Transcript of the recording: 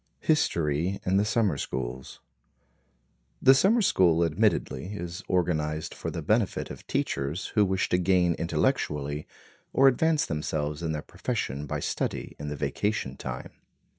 History in the Summer Schools The summer school admittedly is organized for the benefit of teachers who wish to gain intellectually, or advance themselves in their profession by study in the vacation time.